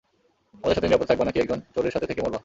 আমাদের সাথে নিরাপদে থাকবা নাকি একজন চোরের সাথে থেকে মরবা?